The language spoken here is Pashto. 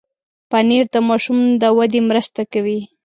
پنېر د ماشوم د ودې مرسته کوي.